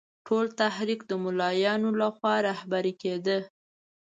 ټول تحریک د مولویانو له خوا رهبري کېده.